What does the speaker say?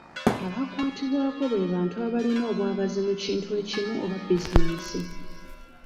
Abakwatibwako be bantu abalina obwagazi mu kintu ekimu oba bizinensi.